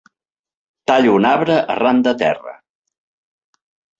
Tallo un arbre arran de terra.